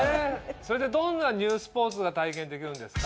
それでどんなニュースポーツが体験できるんですか？